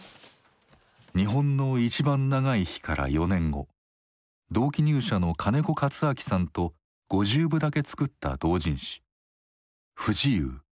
「日本のいちばん長い日」から４年後同期入社の金子勝昭さんと５０部だけ作った同人誌「不自由」。